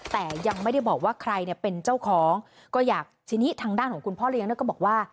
แต่ยังไม่ได้บอกว่าใครเนี่ยเป็นเจ้าของก็อยากทีนี้ทางด้านของคุณพ่อเลี้ยงเนี่ยก็บอกว่า